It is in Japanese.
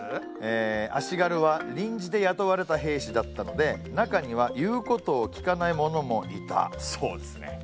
え足軽は臨時で雇われた兵士だったので中には言うことを聞かない者もいたそうですね。